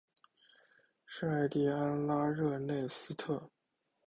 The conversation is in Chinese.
圣艾蒂安拉热内斯特。